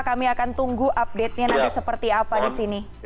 kami akan tunggu update nya nanti seperti apa di sini